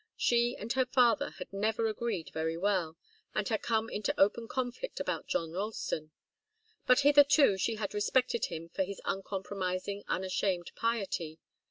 She and her father had never agreed very well, and had come into open conflict about John Ralston; but hitherto she had respected him for his uncompromising, unashamed piety.